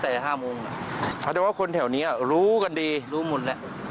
แต่ว่าคนแถวนี้รู้กันดีรู้หมดแล้ว